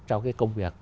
cho cái công việc